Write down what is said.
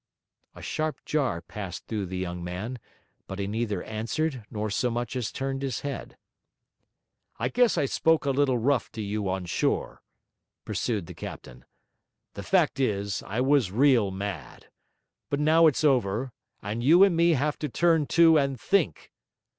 A sharp jar passed through the young man, but he neither answered nor so much as turned his head. 'I guess I spoke a little rough to you on shore,' pursued the captain; 'the fact is, I was real mad; but now it's over, and you and me have to turn to and think.'